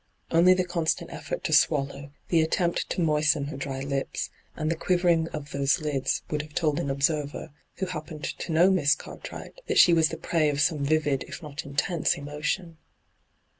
Only the constant effort to swallow, the attempt to moisten her dry lips, and the quivering of those lids, would have told an observer, who happened to know Miss Cartwright, that she was the prey of some vivid if not intense emotion.